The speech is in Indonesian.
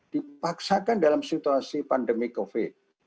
dipaksakan dalam situasi pandemi covid